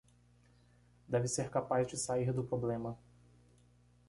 Deve ser capaz de sair do problema